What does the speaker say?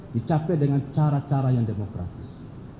dicapai dengan cara cara yang demokratis